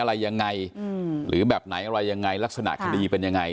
อะไรยังไงหรือแบบไหนอะไรยังไงลักษณะคดีเป็นยังไง